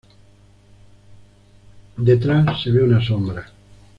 Detrás se ve una sombra.